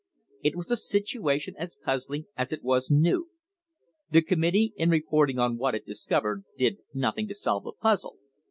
It was a situation as puzzling as it was new. The committee in reporting on what it discovered did nothing to solve the puzzle.